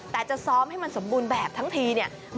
แต่จะซ้อมให้มันสมบูรณ์แบบทั้งทีมันต้องมีนักร้อง